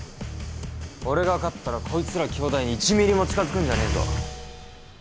俺が勝ったらこいつらきょうだいに１ｍｍも近づくんじゃねえぞ。